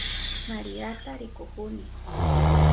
Mariata rikuhuni.